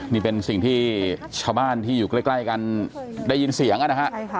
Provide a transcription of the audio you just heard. นี่เป็นสิ่งที่ชาวบ้านที่อยู่ใกล้กันได้ยินเสียงนะฮะ